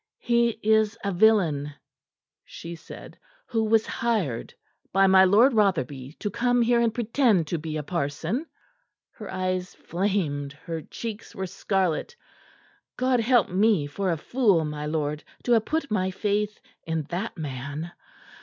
"He is a villain," she said, "who was hired by my Lord Rotherby to come here and pretend to be a parson." Her eyes flamed, her cheeks were scarlet. "God help me for a fool, my lord, to have put my faith in that man!